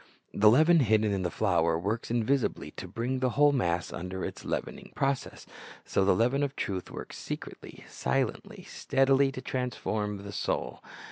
"' The leaven hidden in the flour works invisibly to bring the whole mass under its leavening process; so the leaven of truth works secretly, silently, steadily, to transform the soul.